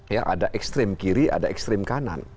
ya ada ekstrem kiri ada ekstrem kanan